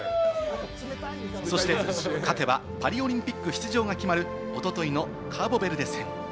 そして、勝てばパリオリンピック出場が決まる、おとといのカーボベルデ戦。